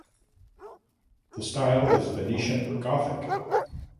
The style is Venetian Gothic.